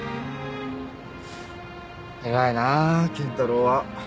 偉いな健太郎は。